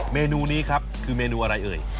เมนูนี้ครับคือเมนูอะไรเอ่ย